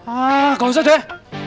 ah gak usah deh